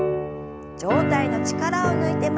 上体の力を抜いて前に。